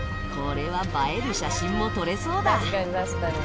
これは映える写真も撮れそうだ